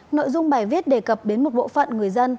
nội dung bài viết đề cập đến một bộ phận người dân